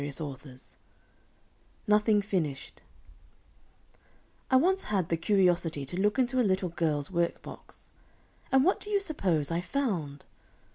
NOTHING FINISHED I once had the curiosity to look into a little girl's work box. And what do you suppose I found?